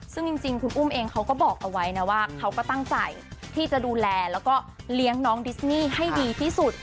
ซึ่งจริงคุณอุ้มเองเขาก็บอกเอาไว้นะว่าเขาก็ตั้งใจที่จะดูแลแล้วก็เลี้ยงน้องดิสนี่ให้ดีที่สุด